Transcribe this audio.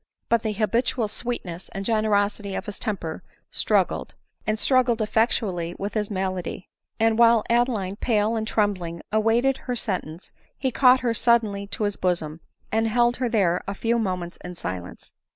But the habitual sweetness and generosity of his temper struggled, and struggled effect ually with his malady ; and while Adeline, pale and trembling, awaited her sentence, he caught her suddenly to is bosom, and held her there a few moments in silence.